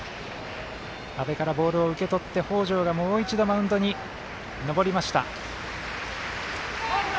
阿部からボールを受け取って北條がもう一度マウンドに上りました。